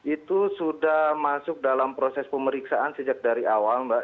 itu sudah masuk dalam proses pemeriksaan sejak dari awal mbak